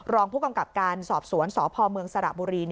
รองผู้กำกับการสอบสวนสพเมืองสระบุรี